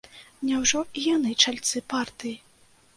Няўжо і яны чальцы партыі?